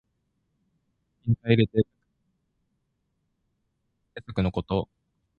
価格が安いときに買い入れて、物価が高騰した時に安く売りだす物価安定策のこと。